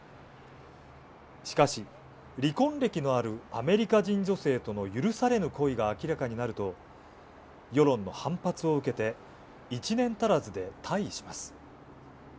しかし、離婚歴のあるアメリカ人女性との許されぬ恋が明らかになると世論の反発を受けて１年足らずで退位します。